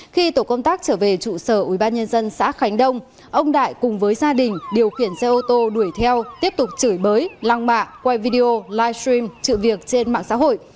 khi tổ công tác trở về trụ sở ubnd xã khánh đông ông đại cùng với gia đình điều khiển xe ô tô đuổi theo tiếp tục chửi bới lăng mạ quay video live stream trự việc trên mạng xã hội